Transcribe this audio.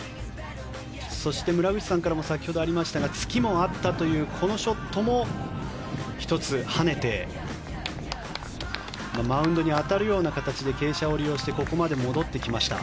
そして、村口さんからも先ほどありましたがツキもあったというこのショットも１つ、跳ねてマウンドに当たるような形で傾斜を利用してここまで戻ってきました。